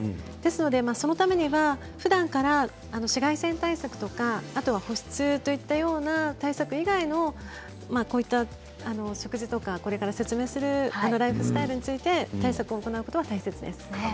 ですので、そのためにはふだんから紫外線対策とかあとは保湿といったような対策以外のこういった食事とかこれから説明するライフスタイルについて対策を行うことが大切です。